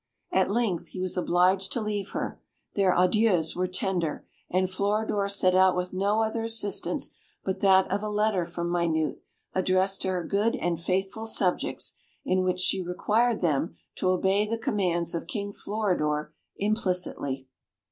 At length he was obliged to leave her; their adieus were tender, and Floridor set out with no other assistance but that of a letter from Minute, addressed to her good and faithful subjects, in which she required them to obey the commands of King Floridor implicitly.